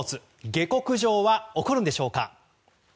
下剋上は起こるのでしょうか。